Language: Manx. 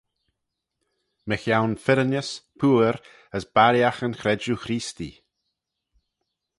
Mychione firrinys, pooar as barriaght yn chredjue Chreestee.